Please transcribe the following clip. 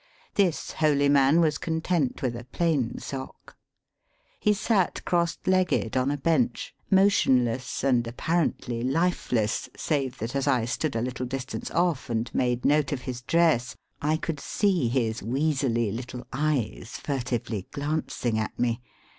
This holy man was content with a plain sock. He sat orossed legged on a bench, motion less, and apparently lifeless, save that as I stood a little distance off and made note of his dress, I could see his weaselly little eyes furtively glancing at me.